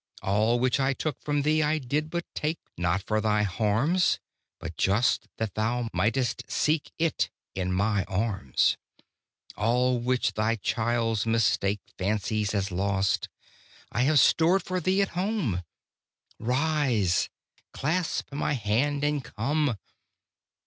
All which I took from thee I did but take, Not for thy harms, But just that thou might'st seek it in My arms. All which thy child's mistake Fancies as lost, I have stored for thee at home: Rise, clasp My hand, and come."